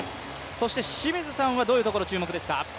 そして清水さんはどういうところ注目ですか？